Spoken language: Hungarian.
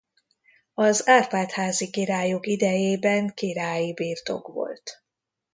Az Árpád-házi királyok idejében királyi birtok volt.